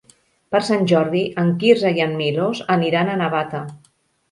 Per Sant Jordi en Quirze i en Milos aniran a Navata.